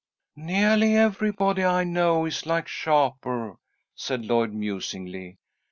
"Neahly everybody I know is like Shapur," said Lloyd, musingly.